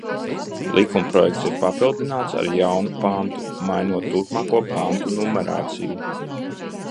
Likumprojekts ir papildināts ar jaunu pantu, mainot turpmāko pantu numerāciju.